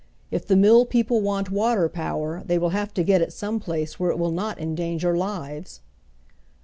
If the mill people want water power they will have to get it some place where it will not endanger lives."